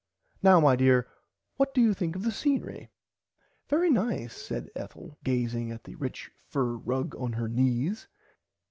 Now my dear what do you think of the sceenery Very nice said Ethel gazing at the rich fur rug on her knees.